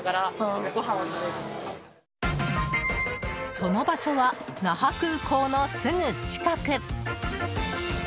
その場所は那覇空港のすぐ近く。